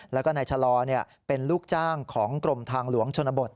แล้วก็นายชะลอเป็นลูกจ้างของกรมทางหลวงชนบท